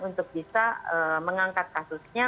untuk bisa mengangkat kasusnya